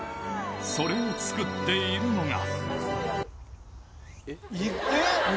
それを作っているのが。